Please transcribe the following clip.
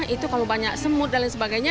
itu kalau banyak semut dan lain sebagainya